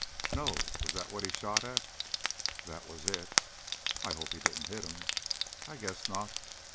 "No. Was that what he shot at?" "That was it." "I hope he didn't hit him." "I guess not."